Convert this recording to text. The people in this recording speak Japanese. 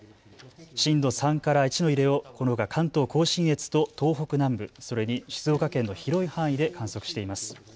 震度３から１の揺れをこのほか関東甲信越と東北南部、それに静岡県の広い範囲で観測しています。